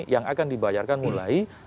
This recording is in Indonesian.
yang akan dibayarkan mulai